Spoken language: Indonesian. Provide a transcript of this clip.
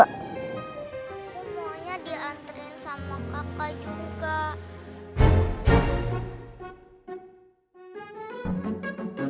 aku maunya diantri sama kakak juga